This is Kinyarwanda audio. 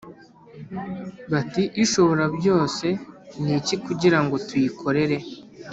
bati ‘ishoborabyose ni iki kugira ngo tuyikorere’